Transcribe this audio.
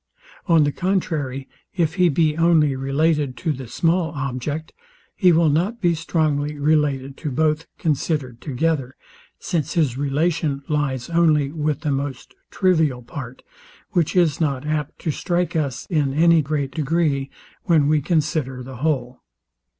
On the contrary, if he be only related to the small object, he will not be strongly related to both, considered together, since his relation lies only with the most trivial part, which is not apt to strike us in any great degree, when we consider the whole.